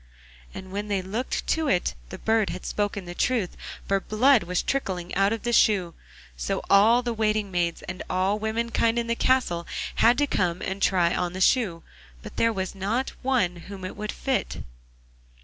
And when they looked to it the bird had spoken the truth, for blood was trickling out of the shoe. So all the waiting maids, and all the womenkind in the castle had to come and try on the shoe, but there was not one whom it would fit.